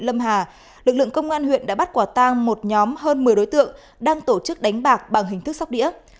lâm hà lực lượng công an huyện đã bắt quả tang một nhóm hơn một mươi đối tượng đang tổ chức đánh bạc bằng hình thức sóc đĩa